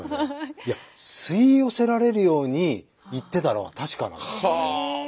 いや吸い寄せられるように行ってたのは確かなんですよね。